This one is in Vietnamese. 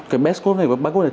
cái badge code này và barcode này